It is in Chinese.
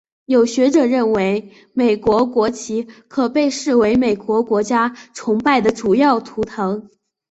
有学者认为美国国旗可被视为美国国家崇拜的主要图腾。